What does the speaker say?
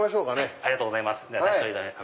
ありがとうございます。